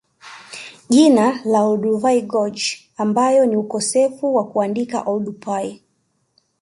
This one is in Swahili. Jina la Olduvai Gorge ambayo ni ukosefu wa kuandika Oldupai